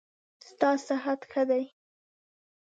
ستا صحت ښه دی؟